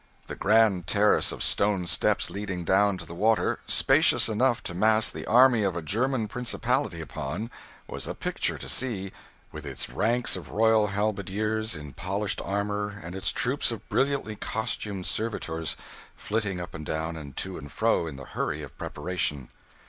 The grand terrace of stone steps leading down to the water, spacious enough to mass the army of a German principality upon, was a picture to see, with its ranks of royal halberdiers in polished armour, and its troops of brilliantly costumed servitors flitting up and down, and to and fro, in the hurry of preparation.